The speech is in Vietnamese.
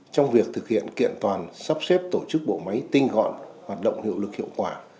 trong việc thực hiện kiện toàn sắp xếp tổ chức bộ máy tinh gọn hoạt động hiệu lực hiệu quả